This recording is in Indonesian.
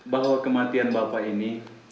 bahwa kematian bapak ini